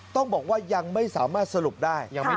ต้องบอกว่ายังไม่สามารถสรุปได้